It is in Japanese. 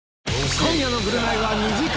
今夜の『ぐるナイ』は２時間